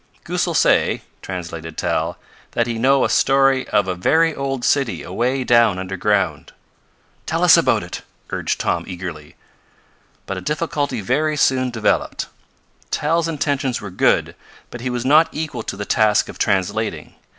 "Goosal say," translated Tal, "that he know a story of a very old city away down under ground." "Tell us about it!" urged Tom eagerly. But a difficulty very soon developed. Tal's intentions were good, but he was not equal to the task of translating.